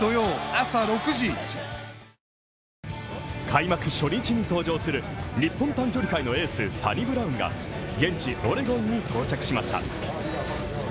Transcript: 開幕初日に登場する日本短距離界のエースサニブラウンが現地オレゴンに到着しました。